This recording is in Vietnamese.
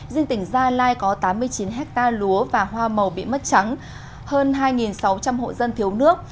dinh tỉnh gia lai có tám mươi chín hectare lúa và hoa màu bị mất trắng hơn hai sáu trăm linh hộ dân thiếu nước